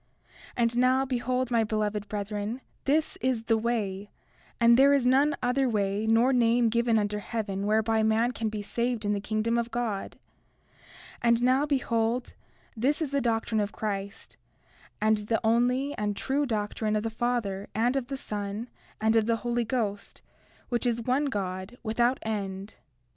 31:21 And now, behold, my beloved brethren, this is the way; and there is none other way nor name given under heaven whereby man can be saved in the kingdom of God. And now, behold, this is the doctrine of Christ, and the only and true doctrine of the Father, and of the Son, and of the Holy Ghost, which is one God, without end.